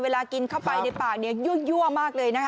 เวลากินเข้าไปในปากเนี่ยยั่วมากเลยนะคะ